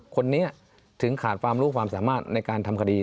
คนนี้ถึงขาดความรู้ความสามารถในการทำคดี